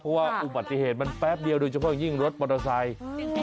เพราะว่าอุบัติเหตุมันแป๊บเดียวโดยเฉพาะยิ่งรถมอเตอร์ไซค์